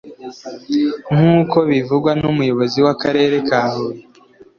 nk’uko bivugwa n’umuyobozi w’Akarere ka Huye